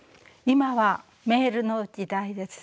今はメールの時代です。